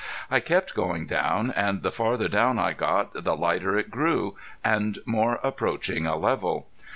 I kept going down, and the farther down I got the lighter it grew, and more approaching a level.